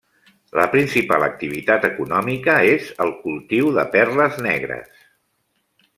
La principal activitat econòmica és el cultiu de perles negres.